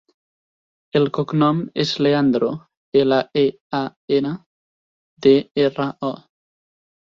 El cognom és Leandro: ela, e, a, ena, de, erra, o.